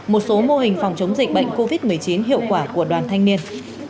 một số mô hình phòng chống dịch bệnh covid một mươi chín hiệu quả của đoàn thanh niên